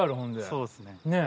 そうですね。